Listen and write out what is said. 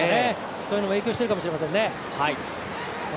そういうのが影響してるかもしれませんね。